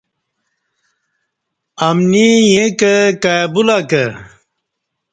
امنی ایں کہ کائی بولہ کہ